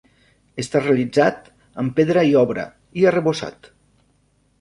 Està realitzat amb pedra i obra, i arrebossat.